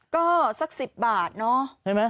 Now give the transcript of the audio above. ก็สัก๑๐บาทใช่ไหม